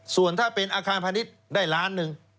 ส่วนถ้าเป็นอาคารพาณิชย์ได้ล้านหนึ่ง